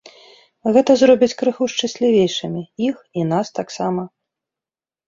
Гэта зробіць крыху шчаслівейшымі іх і нас таксама.